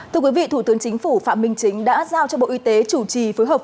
thưa quý vị thủ tướng chính phủ phạm minh chính đã giao cho bộ y tế chủ trì phối hợp